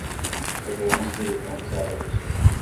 Eu vou construir campos aéreos.